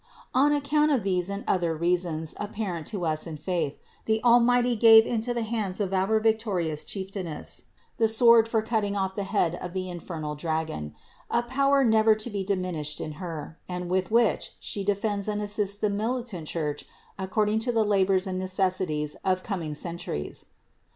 On account of these and other rea sons apparent to us in faith, the Almighty gave into the hands of our victorious Chief tainess the sword for cut ting off the head of the infernal dragon; a power never to be diminished in Her, and with which She defends and assists the militant Church according to the labors and necessities of coming centuries.